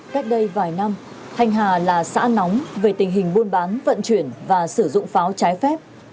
cách đây vài năm thanh hà là xã nóng về tình hình buôn bán vận chuyển và sử dụng pháo trái phép